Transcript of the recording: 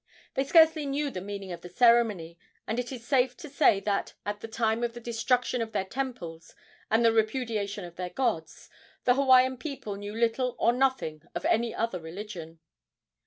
They scarcely knew the meaning of the ceremony, and it is safe to say that, at the time of the destruction of their temples and the repudiation of their gods, the Hawaiian people knew little or nothing of any other religion.